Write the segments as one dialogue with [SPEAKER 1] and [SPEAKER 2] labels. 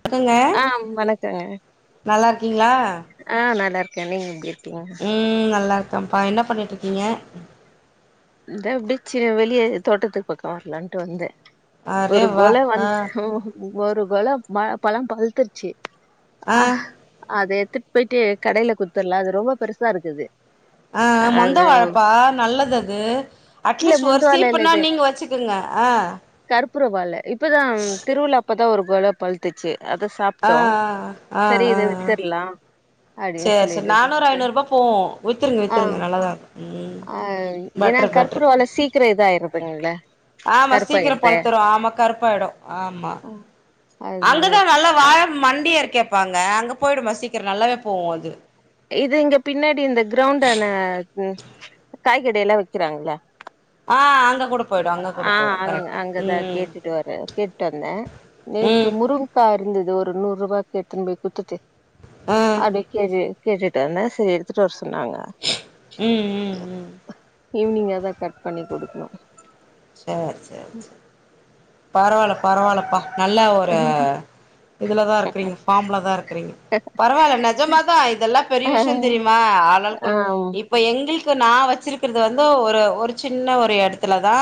[SPEAKER 1] இருக்கேங்க
[SPEAKER 2] ஆ வணக்கங்க
[SPEAKER 1] நல்லா இருக்கீங்களா
[SPEAKER 2] ஆ [unintelligible]
[SPEAKER 1] உம் நல்லா இரு ப்பா என்ன பண்ணிட்டுருக்கீங்க
[SPEAKER 2] இந்த இப்படி சின் வெளிய தோட்டத்துக்கு பக்கம் வரலாம்ட்டு வந்தேன்
[SPEAKER 1] அரே
[SPEAKER 2] ஒரு
[SPEAKER 1] வா
[SPEAKER 2] கொல
[SPEAKER 1] ஆ
[SPEAKER 2] வந்து ஒரு கொல மழ பழம் பழுத்துருச்சு
[SPEAKER 1] ஆ
[SPEAKER 2] அஹ் அதே எடித்துட்டு போயி்ட்டு கடைல குத்துடலாம் அது ரொம்ப பெருசா இருக்குது
[SPEAKER 1] அஹ் மொந்த
[SPEAKER 2] அது
[SPEAKER 1] வாழப்பா நல்லது
[SPEAKER 2] இல்ல
[SPEAKER 1] அட்லீஸ்ட்
[SPEAKER 2] மொந்த
[SPEAKER 1] ஒரு
[SPEAKER 2] வாழ இல்ல
[SPEAKER 1] சீப்புனா நீங்க வச்சுக்குங்க ஆ
[SPEAKER 2] பரவால்ல இப் இப்பதான் திருவிழாப்ப தான் ஒரு குல பழுத்துச்சு அத
[SPEAKER 1] ஆ
[SPEAKER 2] சாப்பிட்டோம் சரி இதை வித்துர்லாம்
[SPEAKER 1] சரி சரி நானூறு ஐநூறு ரூபா் போவு வித்துருங்க
[SPEAKER 2] ஆ
[SPEAKER 1] வி்ததுருங்க நல்லதா இருக்கும் உம்
[SPEAKER 2] ஆ ஏன்னா கற்பூர வாழ சீக்கிர இதாயிருதுங்கல
[SPEAKER 1] ஆமா சீக்கிரம்
[SPEAKER 2] கருப்பாயிடுதே
[SPEAKER 1] பழுத்துரும் ஆமா கருப்பாயிடும் ஆமா அங்கதான் நல்லா வாழ மண்டியே இருக்கு கேடப்பாங்க அங்க போயிடுமா சீக்கிரம் நல்லாவே போவும் அது
[SPEAKER 2] இது இங்க பின்னாடி இந்த கிரௌண்டான காய்கடை எல்லா வைக்கிறாங்கல்ல
[SPEAKER 1] ஆ அங்
[SPEAKER 2] ஆஹ் அங் அங்கதான்
[SPEAKER 1] ம்
[SPEAKER 2] கேட்டுட்டு வரேன் கேட்டுட்டு வந்தேன் நேத்து
[SPEAKER 1] ம்
[SPEAKER 2] முருங்கக்கா இருந்தது ஒரு நூறு ரூபாய்க்கு எடுத்துனு போய் குடுத்துட்டு
[SPEAKER 1] ஆ
[SPEAKER 2] அதுக்கே கேட்டுட்டு வந்தே சரி எடுத்துட்டு வர சொ
[SPEAKER 1] உம் உம் உம்
[SPEAKER 2] நீங்கா தான் கட் பண்ணி கொடுக்கணும்
[SPEAKER 1] சரி சரி சரி பரவாயில்ல பரவாயில்லப்பா நல்ல ஒரு இதுலதான் இருக்கீங்க ஃபம்ல தான் இருக்கீங்க பரவால்ல நெஜமாதா இதெல்ல பெரிய
[SPEAKER 2] ஆ
[SPEAKER 1] விஷயம் தெரியுமா ஆளாள் கொடு
[SPEAKER 2] ஆம்
[SPEAKER 1] இப்ப எங்களுக் இப்ப நா வச்சிருக்கறது வந்து ஒரு ஒரு சின்ன ஒரு எடத்துல தா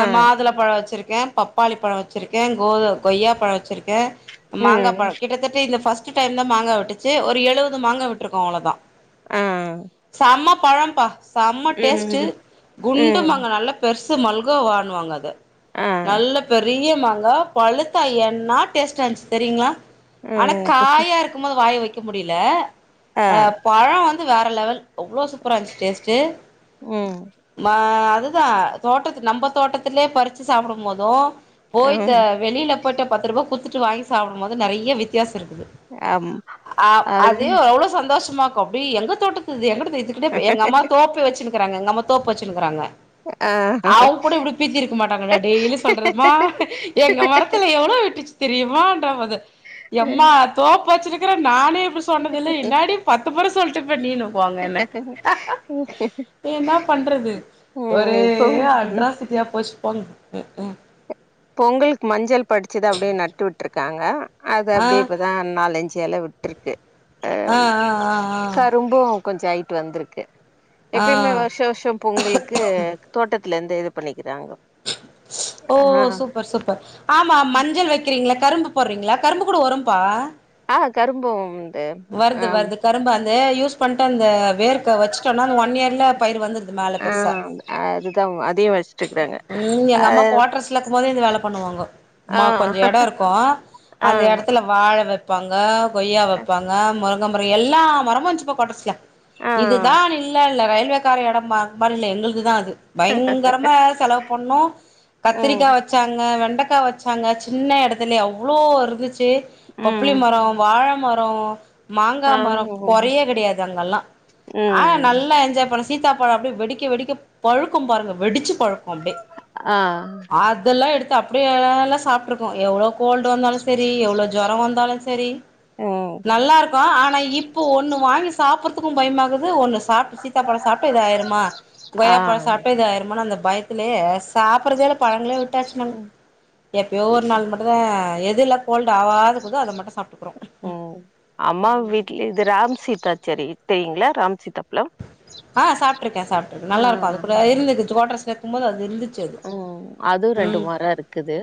[SPEAKER 2] ஆ
[SPEAKER 1] மாதுள பழம் வச்சிருக் க்கே பப்பாளி பழம் வச்சுருக்கே கோது கொய்யா பழம் வச்சுருக்கே மாங்கா
[SPEAKER 2] ம்
[SPEAKER 1] பழம் கிட்டத்தட்ட இந்த ஃபர்ஸ் டு டைம் தா மாங்கா வெட்டுச்சு ஒரு எழுபது மாங்கா விட்டுருக்கு அவ்ளவுதா
[SPEAKER 2] ஆ
[SPEAKER 1] சமா பழம்பா செம்ம டேஸ்ட்டு
[SPEAKER 2] ம் ம்
[SPEAKER 1] குண்டுமாங்கா நல்லா பெருசு கு மல்கோவானுவாங்க அத
[SPEAKER 2] ஆ
[SPEAKER 1] நல்ல பெரிய ஆமாங்க பழுத்தா என்னா டேஸ்ட்டாருந்துச்சு தெரியுங்களா ஆனா
[SPEAKER 2] ம்
[SPEAKER 1] காயா இருக்கும் போது வாய வைக் முடியல
[SPEAKER 2] ஆ
[SPEAKER 1] அஹ் பழம் வந் து வேற லெவல் எவ்வளோ சூப்பரா இருந்துச்சு டேஸ்ட்டு
[SPEAKER 2] ம்
[SPEAKER 1] மா அதுதா தோட்டத்து நம்ம தோட்டத்திலே பறிச்சு சாப்பிடும் போது போயிட்டு
[SPEAKER 2] ம்
[SPEAKER 1] வெளியில போயிட்டு பத்து ரூபா குடுத்துட்டு வாங்கி சாப்பிடும் போது நெறைய வித்தியாசோ இருக்கு
[SPEAKER 2] ஆம்
[SPEAKER 1] அ
[SPEAKER 2] அது
[SPEAKER 1] அதையு எவ்வளோ சந்தோஷமா அப்டி எங்க தோட்டத்து இது எங்க இதுக்கிட்ட எங்க அம்மா தோப்பை வச்சு க்றாங்க எங்க அம்மா தோப்பு வச்சுருக்கிறாங்க
[SPEAKER 2] ஆ
[SPEAKER 1] அவங்க கூட இப்படி பீத்தி இருக்க மாட்டாங்க டெய்லி சொல்றதமா எங்க மரத்துல எவ்ளவு விட்டுச்சு தெரியுமான்ற போது எம்மா
[SPEAKER 2] ம்
[SPEAKER 1] தோப்பு வச்சு க்ற நானே அப்டி சொன்னது இல்ல என்னாடி பத்து முற ஸ் சொல்ட்டு பண்ணிணு போங்கன்ன என்னா பண்றது ஒரே ஒரே
[SPEAKER 2] இப்பவும்
[SPEAKER 1] அட்ராசிட்டியா போ ரெஸ்பாங் எ ஏ
[SPEAKER 2] பொங்கலுக் மஞ்சள் படிச்சது அப்டியே நட்டு விட்ருக்காங்க அது
[SPEAKER 1] ஆ
[SPEAKER 2] அப்டியே இப்பதா நாலஞ்சு எல விட்ருக்கு அ
[SPEAKER 1] ஆ ஆ ஆ
[SPEAKER 2] கரும்பு கொஞ்ச ஐய்ட்டு வந்திருக்கு
[SPEAKER 1] ஆ
[SPEAKER 2] எப்பயுமே
[SPEAKER 1] ஆ
[SPEAKER 2] வருஷோ வருஷோ பொங்லுக்கு தோட்டத் லந்து இது பண்ணிக்குறாங்கோ
[SPEAKER 1] ஓ சூப் சூப்பர் சூப்பர் ஆமா மஞ்சள் வெக்றீங்கள கரும்பு போ போட்றீங்ளா கரும்பு கூட வரும்பா
[SPEAKER 2] ஆ கரும்பும் இது
[SPEAKER 1] வருது வருது கரும்பு அந்த யூஸ் பண்ட்டு அந்த வேர்க் வெச்சுடோனா அந்த ஒன் இயர்ல பயிர் வந்ருது மேல
[SPEAKER 2] ஆ
[SPEAKER 1] பெர்சா
[SPEAKER 2] அதுதான் அதையும் வச்சிட்டு இருக்கிறாங்க.
[SPEAKER 1] உம்
[SPEAKER 2] ஆ
[SPEAKER 1] எங்க அம்மா கோட்ரஸ்லக்கோ போதே இந்த வேல பண்ணுவாங்கோ இம்மா
[SPEAKER 2] அதுதா
[SPEAKER 1] கொஞ்சோ எடோ இருக்கோ
[SPEAKER 2] அதையு வச்சுட்டுருக்குறாங்க
[SPEAKER 1] அந்த
[SPEAKER 2] அது
[SPEAKER 1] எடத்துல வாழ வெப் பாங்க கொய்யா வெப்பாங்க முருங் இந்த மாரி எல்லா மரமோ இருஞ்சி பா கோட்ரஸ்ல
[SPEAKER 2] ஆ ஆ
[SPEAKER 1] இதுதானு இல்ல இல்ல ரயில் க்கார எடம்மா இருந்தாலு எங்களுது தா அது பயங்கர நம்ம தா செலவு பண்ணோ
[SPEAKER 2] ஆ
[SPEAKER 1] கத்திரிக்கா
[SPEAKER 2] ம்
[SPEAKER 1] வெச்சாங்க வெண்டக் வெச்சாங்க சின்ன எடத்துலயே அவ்ளோ இருந்துச் சு பப்ளி
[SPEAKER 2] ம்
[SPEAKER 1] மரோ வாழ மரோ அப்றோ மாங்கா
[SPEAKER 2] ஆ
[SPEAKER 1] மரோ
[SPEAKER 2] ம்
[SPEAKER 1] கொறையே கெடயாது அங்கெல்லா ஆ
[SPEAKER 2] ம்
[SPEAKER 1] நல்லா என்ஜாய் பண்ண சீத்தாப்பழ அப்டியே வெடிக்க வெடிக்க பழுக்கோ பாருங்க வெடிச்சு பழுக் அப்டே
[SPEAKER 2] ஆ
[SPEAKER 1] அதெல்லா எடுத் த்து அப்டியே எல்லா சாப்டிருக்கோ எவ்ளோ கோல்டு வந்தாலு செரி எவ்ளோ ஜுரோ வந்தாலு செரி
[SPEAKER 2] உம்
[SPEAKER 1] ஆனா இப்பு ஒன்னு வாங்கி சாப்புர்துகோ பயமாகுது ஒன்னு சாப்ட் சீத்தாப்பழ சாப்டா எதாயிருமா
[SPEAKER 2] ஆ
[SPEAKER 1] கொய்யாபழோ சாப்டா எதாயிர்மானு அந்த பய பயத்லயே சாப்றதே இல்ல பழங்கள விட் விட்டாச்சு நாங்க எப்பயோ ஒரு நாள் மட்டு ம்தா எதுல கோல்டு ஆவதா கீதோ அத மட்டும்
[SPEAKER 2] உம் அம்மா வீட்டு்ல இது ராம் சித் சீத்தா செடி இத் தெரியுங்களா ராம் சீதா
[SPEAKER 1] ஆஹ் சாப்பிட்டுருக்கே சாப்பிட்டுருக்க நல்லா இருக்கு அது கூட இல்ல இது [unintelligible] ம் போது அது இருந்துச்சு அது
[SPEAKER 2] உஹம் அதுவு ரெண்டு
[SPEAKER 1] ம்
[SPEAKER 2] மரோ இருக்குது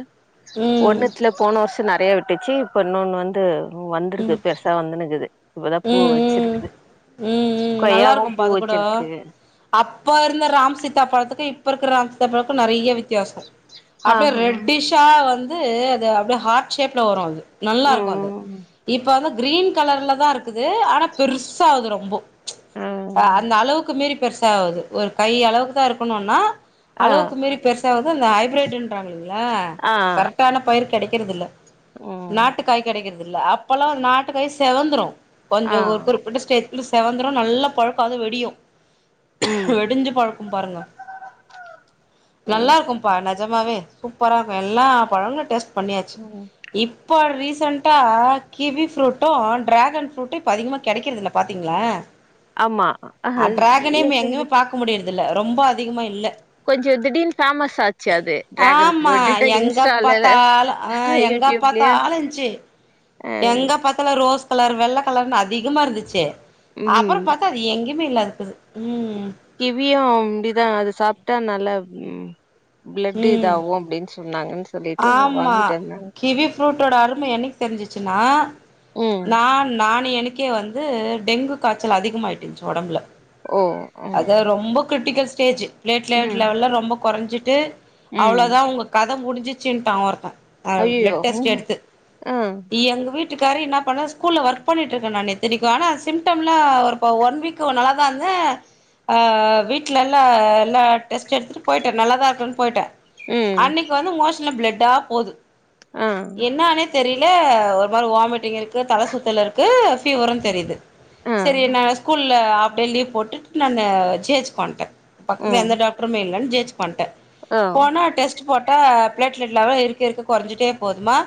[SPEAKER 1] ம்
[SPEAKER 2] ஒண்ணுத்துல போன வருஷோ நெறைய விட்டுச்சு இன்னொன்னு வந்து வந்திருக்கு பெருசா வந்துன்னுக்குது இப்பதா பூ வச்சிருக்குது
[SPEAKER 1] உம் உம் நல்லா
[SPEAKER 2] கொய்யாவு பூ
[SPEAKER 1] இருக்கும்ப்பா அது கூட
[SPEAKER 2] வச்சிருக்கு
[SPEAKER 1] அப்ப இருந்த ராம் சீதா பழத்துக்கு இப் இப்ப இருக்கிற ராம் சீதா பழக்கு நெறைய வித்தியாசோ
[SPEAKER 2] ஆ
[SPEAKER 1] அப்யே
[SPEAKER 2] ஹா
[SPEAKER 1] ரெட்டிஷா வந் ந்து அது அப்டியே ஹார்ட் ஷேப்ல வரு அது நல்லா இருக்கு அது
[SPEAKER 2] ம்
[SPEAKER 1] இப்ப வந்து கிரீன் கலர்ல தா இருக்குது ஆனா பெர்சு சகாது ரொம்போ அஹ
[SPEAKER 2] ம்
[SPEAKER 1] அந்த அளவுக்கு மீறி பெருச ஆவுது ஒரு கை அளவுக்கு தா இருக்கணுன்னா
[SPEAKER 2] ஆ
[SPEAKER 1] அளவுக்கு மீறி பெருசாவுது அந்த ஹைபிரிட்னுங்கறங்க இல்லையா
[SPEAKER 2] ஆ
[SPEAKER 1] கரெக்டான பயிர் கெடக் இருதில்ல
[SPEAKER 2] ஆ ம்
[SPEAKER 1] நாட்டுக்காய் கெடைக்கறத இல்ல அப்பல்லா நாட்டுக்காய்ஸ் செவந்துரு கொஞ்சோ
[SPEAKER 2] ஆ
[SPEAKER 1] ஒரு குறிப் [unintelligible] செவந்திரு நல்ல பழக்கு அது வெடியு
[SPEAKER 2] ம்
[SPEAKER 1] வெடிஞ்சு பழ்கும் பாருங்க நல்லா இருக்குபா நெஜமாவே சூப்பரா இருக்கு எல்லா பழங்களு டேஸ்ட் பண்ணியாச்சு
[SPEAKER 2] ம்
[SPEAKER 1] இப்ப ரீஸ் சண்டா கிவி ப்ரூட்டு டிராகன் ப்ரூட்டு இப்ப அதிகமா கெடைக்கறதில்ல பாத்தீங்களா
[SPEAKER 2] ஆமா அஹ
[SPEAKER 1] ஆ டிராகனயு எங்கேயுமே பாக்க முடியறது இல்ல ரொம்ப அதிகமா இல்ல
[SPEAKER 2] கொஞ்சோ திடீர்னு ஃபேமஸ் ஆச்சு அது டிராகன்
[SPEAKER 1] ஆமா
[SPEAKER 2] ஃப்ரூட் இன்ஸ்டால
[SPEAKER 1] எங்கப்பதாலு அஹ்
[SPEAKER 2] யூடியூப்லயு
[SPEAKER 1] எங்கப்பாதாலு இருஞ்சு
[SPEAKER 2] அ
[SPEAKER 1] எங்க பாதாளு ரோஸ் கலர் வெள்ள கலர்னு அதிகமா இருந்துச்சு அப்பற
[SPEAKER 2] ம்
[SPEAKER 1] பாத்தா அது எங்கயு ஒண்ணுமில்ல [unintelligible] உம்.
[SPEAKER 2] கிவியு அப்டிதா அது சாப் ட்டா நல்லாவ் ம் பிளட்
[SPEAKER 1] ம்
[SPEAKER 2] இதாவு அப்டின்னு சொல் நாங்க
[SPEAKER 1] ஆமா கிவி ஃப்ரூட்டோட அருமை என்னைக்கு தெரிஞ்சிச்சு. சின்னா
[SPEAKER 2] ம்
[SPEAKER 1] நான் நானு எனக்கு எனக்கே வந்து டெங்கு காய்ச்சல் அதிகமாயிட்டு இருஞ்ச்சு உடம்புல.
[SPEAKER 2] ஓஹ் ஹோ
[SPEAKER 1] க்ரிட்டிக்கல்ஸ்டேஜ். பிலேட்லட் லெவல்லா ரொம்ப குறைஞ்சிட்டு தே
[SPEAKER 2] ம்
[SPEAKER 1] அவ்வளோதான் உங்க கதை முடிஞ்சு. சின்தாவு இருக்கு அஹ்
[SPEAKER 2] ஐயயோ
[SPEAKER 1] பிளட் டெஸ்ட் எடுத்து
[SPEAKER 2] ஆ
[SPEAKER 1] எங்க வீட்டு வீட்டுக்காரு என்ன பண்ணேன். ஸ்கூலில் ஒர்க் பண்ணிகிட்டுருக்கேன். நான் இத்தனக்கும் ஆனால் சிம்டம்லா ஒரு இப்போ ஒன் வீக் நல்லா தான் இருந்தேன். வீட்ல எல்லா எல்லா டெஸ்ட் எடுத்துகிட்டு போய்ட்டேன். நல்லா தான் இருக்குன்னு போய்ட்டேன்.
[SPEAKER 2] ம்
[SPEAKER 1] அன்னைக்கு வந்து மோசன் பிளட்டா போது.
[SPEAKER 2] ஆ
[SPEAKER 1] என்னானே தெரியல ஒரு மாதிரி வாமிட்டிங் இருக்கு தலை சுத்தல் இருக்கு பீவரும் தெரியுது.
[SPEAKER 2] ஆ
[SPEAKER 1] சரி ந ஸ்கூல்ல அப்படியே லீவ் போட்டுட்டு நான் [unintelligible] பண்ட்டே ன் பக்கத்துல
[SPEAKER 2] ம்
[SPEAKER 1] எந்த டாக்டருமே இல்லனு ஜி எச் பண்டென்
[SPEAKER 2] ஆ
[SPEAKER 1] போனா டெஸ்ட் போட்ட பாப் பிளேட்லெட்லல்லாம் இருக்க இருக்க குறைஞ்சிட்டே போதுமா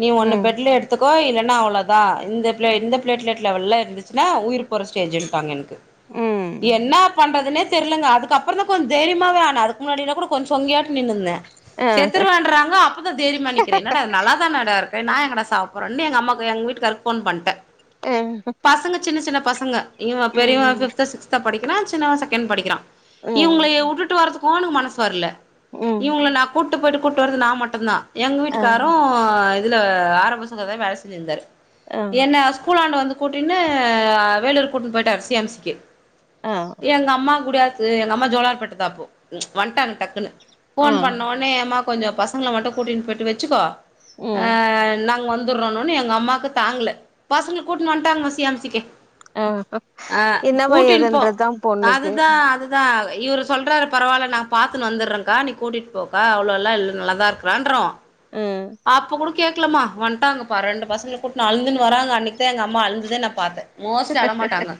[SPEAKER 1] நீ ஒண்ணு
[SPEAKER 2] ம்
[SPEAKER 1] பெட்ல எடுத்து கோயிலன்னா அவ்வளோதான் இந்த பிளட் இந்த பிளட்லேட் லெவல்லா இருந்துச்சுனா உயிர் போற ஸ்டேஜ்ன்டாங்க எனக்கு
[SPEAKER 2] ம்
[SPEAKER 1] என்னா பண்றதுன்னே தெரில தெர்லங்க அதுக்கப்பறம் தான் கொஞ்ச தைரியமவே ஆன அதுக்கு முன்னாடிலா கூட கொஞ்சம் சொங்கியாட்டு நின்னிருந்த
[SPEAKER 2] ஆஹ்
[SPEAKER 1] செத்துரவன்றாங்க அப்போ தான் தைரியமானிக்கிறேன் என்னடா நல்லா தானாடா இருக் நான் எங்கடா சாவப்போறன்னு எங்க அம்மாக்கு எங்க வீட்டுக்காருக்கு போன் பண்ணிட்ட
[SPEAKER 2] ம்
[SPEAKER 1] பசங்க சின்ன சின்ன பசங்க இவ பெரியவ
[SPEAKER 2] ம்
[SPEAKER 1] ஃபிஃப்தோ சிக்ஸ்தோ படிக்கிறா சின்னவ செகெண்ட் படிக்கிறா
[SPEAKER 2] ம்
[SPEAKER 1] இவுங்களய உட்டுட்டு வர்றத்துக் போணு மனசு வர்ல
[SPEAKER 2] ம்.
[SPEAKER 1] இவுங்கள நா கூட் ட்டு போயிட்டு கூட்டு வர்றது நா மட்டுந்தா எங்க
[SPEAKER 2] ஆ
[SPEAKER 1] வீட்டுக்காரு இதுல ஆரம்ப [unintelligible] வேல செஞ்சினுருந்தாரு
[SPEAKER 2] ஆ
[SPEAKER 1] என்ன ஸ்கூலாண்ட வந்து கூட்டினு அ வேலூர் கூட்னு போயிட்டாரு சி எம் சி க்கி
[SPEAKER 2] ஆ
[SPEAKER 1] எங்க அம்மா குடியாத் இது எங்க அம்மா ஜோலார்ப்பேட்ட தாப்போ ம் வன்ட்டாங்க டக்குனு
[SPEAKER 2] ஆ
[SPEAKER 1] ஃபோன் பண்ணோ மா கொஞ்சொ பசங்கள மட்டு கூட்டினுப் போயிட்டு வெச்சிக்கோ ஆ
[SPEAKER 2] ம்
[SPEAKER 1] நாங்க வந் ந்துர்றோன ஒன்னே எங்க அம்மாக்கு தாங்ல பசங்ள கூட்டுனு வன்ட்டாங்க சி எம் சி க்கு
[SPEAKER 2] அ
[SPEAKER 1] ஆ
[SPEAKER 2] என்னவ
[SPEAKER 1] கூட்டின்னு போ
[SPEAKER 2] ஏதுன்றதுதா பொண்ணுக்கு
[SPEAKER 1] அதுதா அதுதா இவரு சொல்றாரு பரவால்ல நா பாத்துன் வந்துர்றங்க்கா நீ கூட்டிட் போ ப்பா அவ்ளோலா இல்ல நல்லாதா இருக்கறான்றோ
[SPEAKER 2] ம்
[SPEAKER 1] அப்பக்கூட கேக்லமா வன்ட்டாங்கப்பா ரெண்டு பசங்கள கூட்னு அழ்ந்துனு வராங்க அன்னக்கிதா எங்க அம்மா அழுததே நா பாத்த மோஸ்ட்லி அழ மாட்டாங்க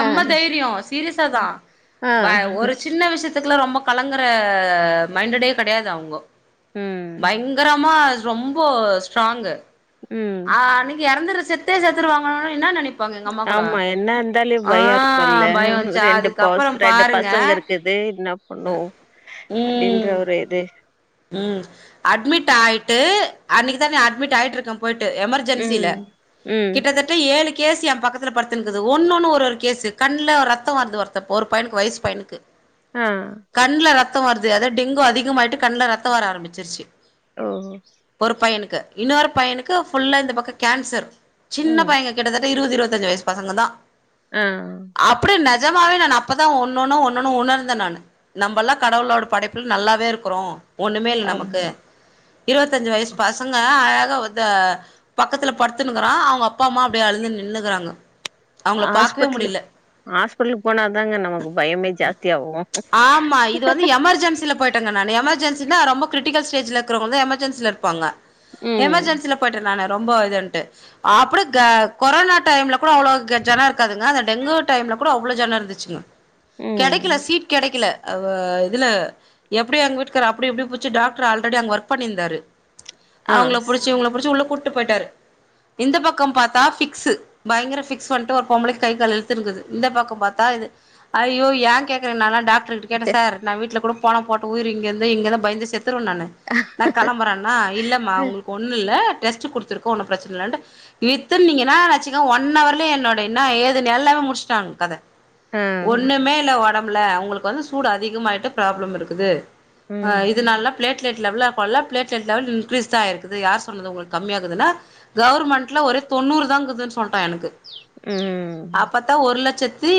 [SPEAKER 2] ஆ
[SPEAKER 1] தைரியொ சீரியஸா தா
[SPEAKER 2] ஆ
[SPEAKER 1] வ ஒரு சின்ன விஷயத் துக்குலா ரொம்ப கலங்குற மைண்டடே கெடையாது அவுங்கோ
[SPEAKER 2] ம்
[SPEAKER 1] பைங்கரமா ரொம்போ ஸ்ட்ராங்கு
[SPEAKER 2] ம்
[SPEAKER 1] ஆ நீங்க எறந்துர செத்தே செத்துருவாங்கனொன்னே என்னா நெனப்
[SPEAKER 2] ஆமா என்ன இருந்தாலியு பயொ இருக்குல்ல
[SPEAKER 1] பயோ வந்ச்சா
[SPEAKER 2] ரெண்டு பொஸ்
[SPEAKER 1] அதுக்கப்புறோ
[SPEAKER 2] ரெண்டு
[SPEAKER 1] பாருங்க
[SPEAKER 2] பசங்க இருக்குது என்னா பண்ணுவோ அப்டின்ற ஒரு இது
[SPEAKER 1] உம் அட்மிட் ஆயிட்டு அன்னக்கி தானே அட்மிட் ஆயிட்டு இருக்கம் போயிட்டு
[SPEAKER 2] ம்
[SPEAKER 1] எமர்ஜென்சில
[SPEAKER 2] ம்
[SPEAKER 1] கிட்டத்தட்ட ஏழுக் கேசு ஏ பக்கத்துல படுத்துன்க்குது ஒன்னொன்னு ஒரு ஒரு கேசு கண்ல ரத்தொ வருது ஒருத்த ஒரு பையனுக்கு வயசு பையனுக்கு
[SPEAKER 2] ஆ
[SPEAKER 1] தொ வருது அதா டெங்கு அதிகமாயிட்டு கண் இரத்தோ வர ஆரம்பிச்சிருச்சு
[SPEAKER 2] ஓ
[SPEAKER 1] ஒரு பையனுக் கு இன்னொரு பையனுக்கு ஃபுல்லா இந்த பக்க கேன்சர் சின்ன
[SPEAKER 2] ம்
[SPEAKER 1] பையங்க கிட்டத இருவது இருவத்தஞ்சு வயசு பசங்க தா
[SPEAKER 2] அ
[SPEAKER 1] அப்டி நெஜமாவே நானு அப்பதா ஒன்னொனு ஒன்னொனு உணர்ந்தே நானு நம்பல்லா கடவுளோட படைப்பில நல்லாவே இருக்கிறோ ஒன்றுமே இல்
[SPEAKER 2] ஆமா
[SPEAKER 1] நமக்கு இருவத்தஞ் வயசு பசங்க அழக [unintelligible] பக்கத்துல படுத்துன்னக்கிறா அவுங்க அப்பா அம்மா அப்படியே அழுந்து நின்றுகறாங்க
[SPEAKER 2] ஹாஸ்பிட்லு ஹாஸ்பிட்லுக் போனாதாங்க நமக்கு பயமே ஜாஸ்தியா ஆகு
[SPEAKER 1] டாங்க நா‌ எமர்ஜென்சி என்னா ரொம்ப க்ரிட்டிக்கல் சிடேஜி இக்குறவங்க எமர்ஜென்சில இருப்பாங்க
[SPEAKER 2] ம்
[SPEAKER 1] எமர்ஜென்சில போயிட்ட நானு ரொம்ப இதுன்ட்டு அப்புடி க கொரோனா டைம்ல கூட அவ்ளோ ஜனோ இருக்காதுங்க அந்த டெங்கு டைம்ல கூட அவ்ளோ ஜனோ இருந்துச்சுங்க
[SPEAKER 2] ம்
[SPEAKER 1] கெடைக்கில சீட் கெடைக்கில அவ் அ இதுல எப்படி அங் வீட்க்காரு அ படி இப்டி புச்சி டாக்ரு ஆல்ரடி அங்க ஒர்க் பண்ணிருந்தரு
[SPEAKER 2] ஆ
[SPEAKER 1] அவுங்ள புடிச்சு
[SPEAKER 2] ஸ்-
[SPEAKER 1] இவங்ள புடிச்சி உள்ள கூட்டு போய்ட்டாரு இந்த பக்கம் பாத்தா ஃபிக்ஸு பயங்கிர ஃபிக்ஸ் வந்து ஒரு பொம்பளைக் கை காலு இல்த்துன்குது இந்த பக்கோ பாத்தா இது ஐயோ மே கேக்குற நாலா டாக் ட்ரு கிட்ட கேட்டே சார் நா வீட்ல கூட போனோ போட்டோ உயிரி இங்குந்து இங்கனா பய்ந்து செத் துற்வ நானு‌ நா கிளம்பறேண்ணா இல்லம்மா உங்களுக்கு ஒண்ணு இல்ல டெஸ்ட்டு குடுத்துருக்கோ ஒன்னு ப்ரெச்சன இல்லன்டு இர்த்துங்தீங்னா வச்சிக ஒன் அவர்லே என்னோடய இன்னா ஏதுன் எல்லாமே முட்ஷ்சட்டாங்க கத
[SPEAKER 2] ஆ
[SPEAKER 1] ஒண்ணுமே இல்ல ஒடம் [unintelligible] அவுங்குளுக் வந்து சூடு அதிகமாய்ட்டு ப்ராப்ளம் இருக்குது அ
[SPEAKER 2] ம்
[SPEAKER 1] இதுனால ப்ளேட்லட் லெவலா போல ப்ளேட்லெட் லெவல் இன்கரீஸ் தா ஆய்ருக்குது யார் சொன்னது உங்க கம்மியாகதுன்னா கவர்மெண்ட்ல ஒரு தொண்ணூறு இருக்குதுன் சொல்டா எனக்கு
[SPEAKER 2] ம்
[SPEAKER 1] அப்பத்தா ஒரு லட்சத் தி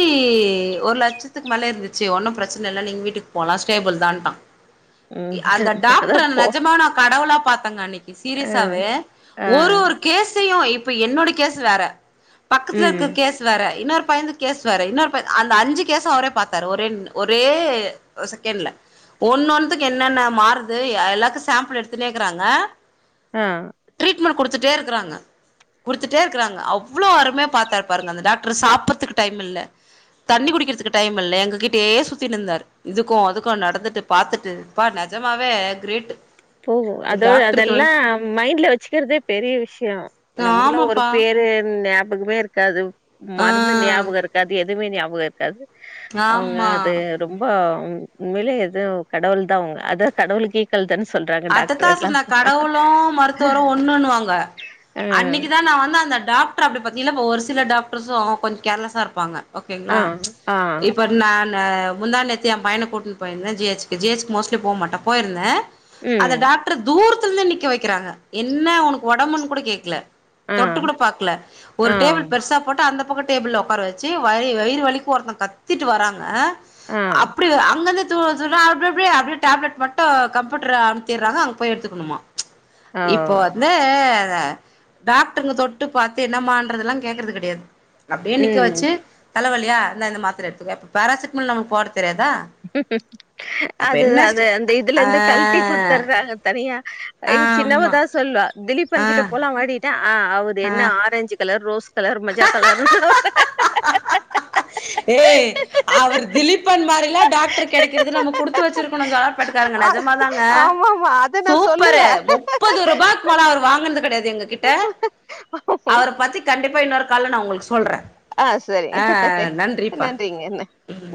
[SPEAKER 1] ஒரு லட்சத்துக் மேல இருந்துச்சு ஒன்னும் ப்ரெச்சன இல்ல நீங்க வீட்டுக்கு போலா ஸ்டேபிள் தான்ட்டா
[SPEAKER 2] ம்
[SPEAKER 1] இ அந்த
[SPEAKER 2] அப்பதா
[SPEAKER 1] டாக்ட்ரு
[SPEAKER 2] போ
[SPEAKER 1] நெஜமா நா கடவுளா ங்க அன்னைக்கு
[SPEAKER 2] ஆ
[SPEAKER 1] சீரியஸாவே
[SPEAKER 2] ஆ
[SPEAKER 1] ஒரு ஒரு கேஸ் யூ இப்ப என்னோட கேசு வேற பக்கத்துல இருக்க
[SPEAKER 2] ம்
[SPEAKER 1] கேஸ் வேற இன்னொரு பயந்துக்கு கேஸ் வேற இன்னொரு பை அந்த அஞ்சு கேசு அவரே பாத்தாரு ஒரேன் ஒரே ஒ செகண்ட்ல ஒன்னனொன் த்துக்கு என்னென்ன மாறுது எ எல்லாக்கூ சேம்பிள் எடுத்துனேக்குறாங்க
[SPEAKER 2] ஆ
[SPEAKER 1] [unintelligible] குடுத்துட்டே இருக்குறாங்க குடுத்துட்டே இருக்குறாங்க அவ்வுளோ அருமையா பாத்தாருப் பாருங்க அந்த டாக்ட்ரு சாப்புற்துக்கு டைம் இல்ல தண்ணி குடிக்கிறதுக்கு டைம் இல்ல எங்க கிட்டயே சுத்தினுந்தார் இதுக்கூ அதுக்கூ நடந்துட்டு பாத்துட் ட்டு ப்பா நெஜமாவே கிரேட்டு
[SPEAKER 2] போகு அதோ அதெல்லா மைண்ட்ல வெச்சுக்கிற்தே பெரிய விஷயோ நமக்குல்லா ஒரு
[SPEAKER 1] ஆமாப்பா
[SPEAKER 2] பேரு நியாப் பகமே இருக்காது
[SPEAKER 1] ஆ
[SPEAKER 2] மருந்து ஞாபகோ இருக்காது எத் துமே ஞாபகோ இருக்காது அவங்க
[SPEAKER 1] ஆமா
[SPEAKER 2] அது ரொம்போ ம் உண்மையிலே எதோ கடவுள் தா அவுங்க அதா கடவுள்க்கு ஈக்குவள் தான்
[SPEAKER 1] அத்தத்தா சொன்ன கடவுளூ மருத்துவரூ ஒன்னுன்னு வாங்க
[SPEAKER 2] ஆ
[SPEAKER 1] அன்னிக்கி தா நா வந்து அந்த டாக் ட்ற அப்டி பாத்தீங்கள்ளா இப்ப ஒரு சில டாக்ட்ருஸு கொஞ்ச் கேர்லஸா இருப்பாங்க
[SPEAKER 2] ஆ
[SPEAKER 1] ஓகேங்களா
[SPEAKER 2] ஆ
[SPEAKER 1] இப்ப நான் ன முந்தா நேத்து என் பையன கூட்ன் போயிந்தே ஜி எச்க்கு ஜி எச்க்கு மோஸ்ட்லி போ மாட்ட போயிருந்தே அந்த
[SPEAKER 2] ம்
[SPEAKER 1] டாக்டரு தூர் த்துலருந்து நிக்க வைக்கிறாங்க என்ன ஒனக்கு ஒடம்புன்னு கூட கேக்கல
[SPEAKER 2] ஆ
[SPEAKER 1] தொட்டு கூட பாக்கல ஒரு
[SPEAKER 2] ஆ
[SPEAKER 1] டேபிள் பெருசா போட்டு அந்தப் பக்கோ டேபிள்ள ஒக்கார வச்சு வய் வயிறு வலிக்கு ஒருத்தங்க கத்திட்டு வராங்க அப்படி அங்கந்த த்து வர சொல்றா அப்டே அப்டே அப்டியே டேப்லட் மட்டு கம்பயூட்ர அம் த்திர்றாங்க அங்க போய் எடுத்துக்கணுமா
[SPEAKER 2] ஆ
[SPEAKER 1] இப்போ
[SPEAKER 2] ஓ
[SPEAKER 1] வந்து ஆ டாக்டருங்க தொட்டு பாத்து என்னமான்றதெல்லா கேக்கறது கெடையாது அப்டியே நிக்க
[SPEAKER 2] ம்
[SPEAKER 1] வச்சு தலவ லியா இந்தா இந்த மாத்திர எடுத்துக்கோ இப்ப பேராசிட்டமல் நமக்கு போட தெரியாதா அப்ப
[SPEAKER 2] அது
[SPEAKER 1] என்ன
[SPEAKER 2] அது அந்த இதுல
[SPEAKER 1] ஆ
[SPEAKER 2] இருந்து கல்ட்டி குடுத்தர்றாங்க தனியா எங்
[SPEAKER 1] ஆமா
[SPEAKER 2] சின்னவதா சொல்லு
[SPEAKER 1] ஆ
[SPEAKER 2] திலீப்பன் கிட்ட போலா வாடி ஆ அவுரு என்ன ஆரஞ்சு கலர் ரோஸ் கலர் மஜா கலர்னு
[SPEAKER 1] ஏய் அவுரு திலீப்பன் மாரி டாக்டர் கடைக்கிறதுல்லா நாம குடுத்து வச்சிருக்கனுங்க கார்ப்ரேட் காயங்கள்
[SPEAKER 2] ஆ
[SPEAKER 1] நஜமா தங்க
[SPEAKER 2] ஆமா ஆமா அத நா சொல்லுவே
[SPEAKER 1] சூப்பரு முப்பது ரூபாய் மேல் அவுரு வாங்கனது கெடையாது எங்க கிட்ட அவர பத்தி கண்டிப்பா கால நான் உங்களுக்கு சொல்றேன்
[SPEAKER 2] ஆ சரி
[SPEAKER 1] ஆ நன்றிப்பா
[SPEAKER 2] நன்றிங்க
[SPEAKER 1] ம்